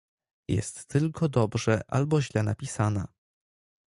Jest tylko dobrze albo źle napisana.